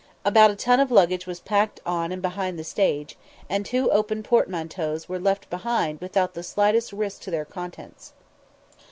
About a ton of luggage was packed on and behind the stage, and two open portmanteaus were left behind without the slightest risk to their contents.